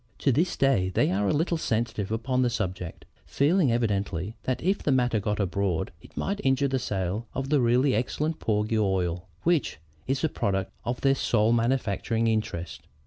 To this day, they are a little sensitive upon the subject, feeling evidently that if the matter got abroad, it might injure the sale of the really excellent porgy oil which is the product of their sole manufacturing interest.